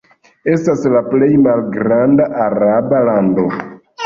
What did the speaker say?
Estas la plej malgranda araba lando.